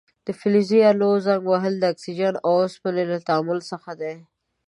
د فلزي الو زنګ وهل د اکسیجن او اوسپنې له تعامل څخه دی.